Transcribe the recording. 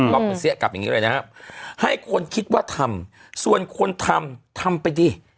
ก็มันเสี้ยกลับอย่างนี้เลยนะครับให้คนคิดว่าทำส่วนคนทำทำไปดิ